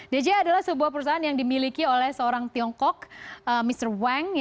dj adalah sebuah perusahaan yang dimiliki oleh seorang tiongkok mr weng